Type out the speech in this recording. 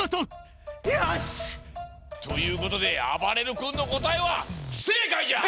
よし！ということであばれる君のこたえはふせいかいじゃ！